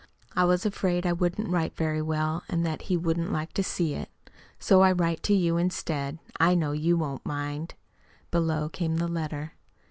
I was afraid I wouldn't write very well and that he wouldn't like to see it. So I write to you instead. I know you won't mind. Below came the letter.